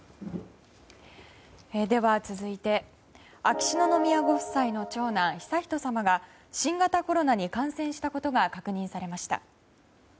では、続いて秋篠宮ご夫妻の長男・悠仁さまが新型コロナに感染したことが確認されました。